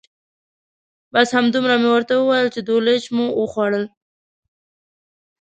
بس همدومره مې ورته وویل چې دولچ مو وخوړل.